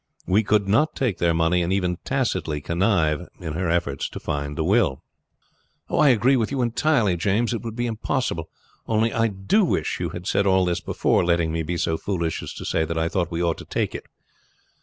We could not take their money and even tacitly connive in her efforts to find the will." "I agree with you entirely, James. It would be impossible; only I do wish you had said all this before letting me be so foolish as to say that I thought we ought to take it."